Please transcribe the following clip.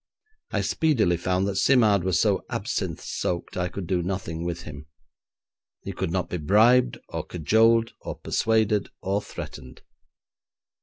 I speedily found that Simard was so absinthe soaked I could do nothing with him. He could not be bribed or cajoled or persuaded or threatened.